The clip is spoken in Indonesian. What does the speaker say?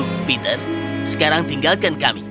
untuk peter sekarang tinggalkan kami